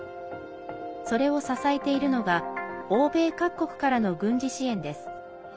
それを支えているのが欧米各国からの軍事支援です。